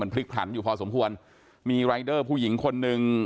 พลิกผลันอยู่พอสมควรมีรายเดอร์ผู้หญิงคนหนึ่ง